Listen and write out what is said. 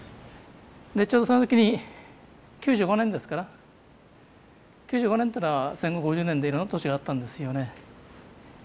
ちょうどその時に９５年ですから９５年っていうのは戦後５０年でいろんな出来事があって。